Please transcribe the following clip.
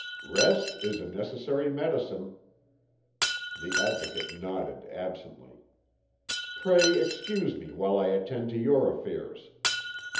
"Rest is a necessary medicine." The Advocate nodded absently. "Pray excuse me while I attend to your affairs.